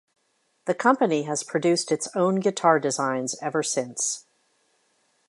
The company has produced its own guitar designs ever since.